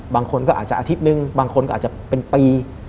บางคนก็อาจจะอาทิตย์นึงบางคนก็อาจจะเป็นปี